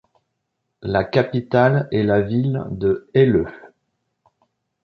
La capital est la ville de Aileu.